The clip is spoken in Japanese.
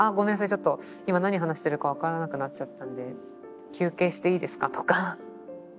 ちょっと今何話してるか分からなくなっちゃったんで休憩していいですか？」とか。